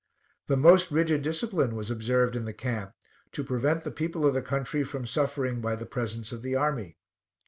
The most rigid discipline was observed in the camp, to prevent the people of the country from suffering by the presence of the army.